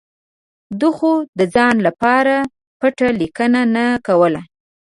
ده خو د ځان لپاره پټه لیکنه نه کوله.